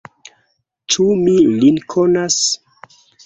Ĉu mi lin konas?